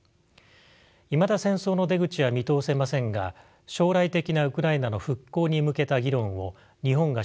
いまだ戦争の出口は見通せませんが将来的なウクライナの復興に向けた議論を日本が主導していくことも重要でしょう。